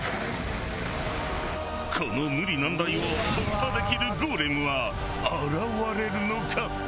この無理難題を突破できるゴーレムは現れるのか？